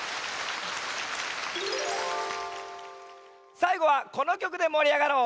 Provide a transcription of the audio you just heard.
さいごはこのきょくでもりあがろう。